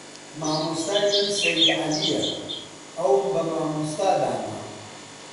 مامۆستای من سەید عەلیە ئەوم بە مامۆستا دانا